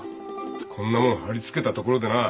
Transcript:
こんなもんはり付けたところでな